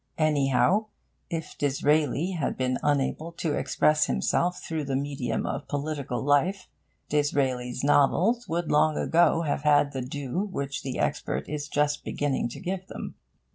Anyhow, if Disraeli had been unable to express himself through the medium of political life, Disraeli's novels would long ago have had the due which the expert is just beginning to give them.